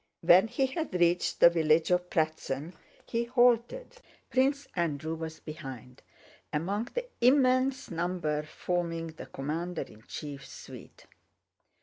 When he had reached the village of Pratzen he halted. Prince Andrew was behind, among the immense number forming the commander in chief's suite.